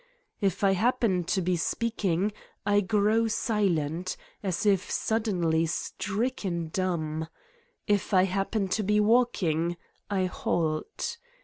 If I happen to be speaking I grow silent, as if suddenly stricken dumb. If I happen to be walking, I halt.